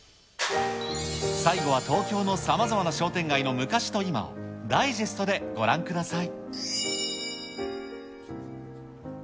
最後は東京のさまざまな商店街の昔と今を、ダイジェストでご覧ください。